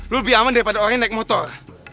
lo lebih aman daripada orang naik motor